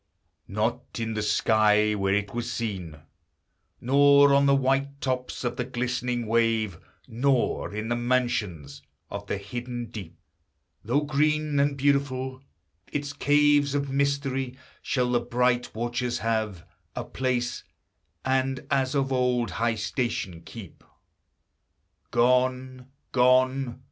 Not in the sky, Where it was seen, Nor on the white tops of the glistening wave, Nor in the mansions of the hidden deep, Though green, And beautiful, its caves of mystery; Shall the bright watcher have A place, and as of old high station keep. Gone, gone!